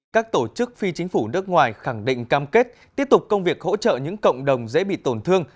các tổ chức phi chính phủ nước ngoài khẳng định cam kết tiếp tục công việc hỗ trợ những cộng đồng dễ bị tổn thương